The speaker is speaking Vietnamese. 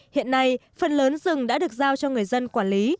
hiện nay phần lớn rừng đã được giao cho người dân quản lý